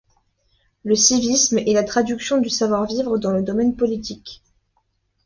Le civisme est la traduction du savoir-vivre dans le domaine politique.